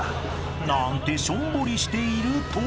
［なんてしょんぼりしていると］